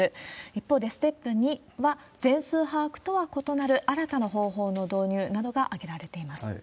一方でステップ２は、全数把握とは異なる、新たな方法の導入などが挙げられています。